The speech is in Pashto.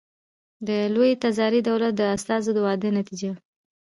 د لوی تزاري دولت د استازو د وعدو نتیجه ده.